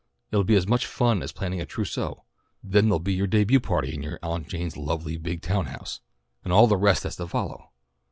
It'll be as much fun as planning a trousseau. Then there'll be your début party in your Aunt Jane's lovely big town house, and all the rest that's to follow.